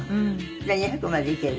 じゃあ２００までいける？